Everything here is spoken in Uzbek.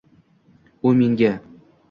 U menga